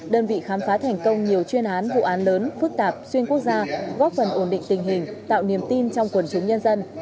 đơn vị khám phá thành công nhiều chuyên án vụ án lớn phức tạp xuyên quốc gia góp phần ổn định tình hình tạo niềm tin trong quần chúng nhân dân